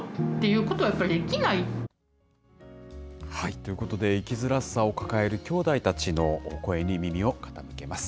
ということで、生きづらさを抱えるきょうだいたちの声に耳を傾けます。